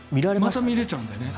また見れちゃうんだよね。